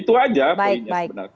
itu aja poinnya sebenarnya